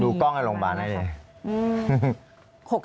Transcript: ดูกล้องในโรงพยาบาลนะเจมส์